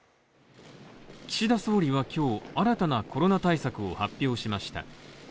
岸田総理は今日、新たなコロナ対策を発表しました。